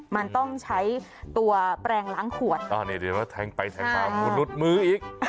มันต้องใช้ตัวแปลงล้างขวดอ่านี่เดี๋ยวแทงไปแทงมามนุษย์มืออีก